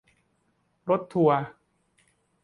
รถทัวร์